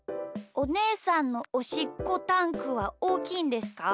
おねえさんのおしっこタンクはおおきいんですか？